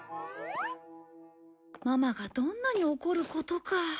ママがどんなに怒ることか。